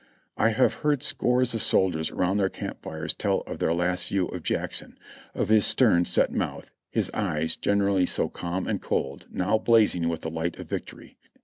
I have heard scores of soldiers around their camp fires tell of their last view of Jackson, of his stern, set mouth; his eyes, gen erally so calm and cold, now blazing with the light of victory.